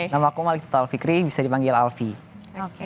nama aku malik tutal fikri bisa dipanggil alfie